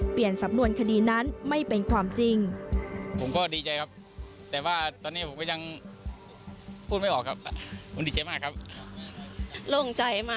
สำนวนคดีนั้นไม่เป็นความจริง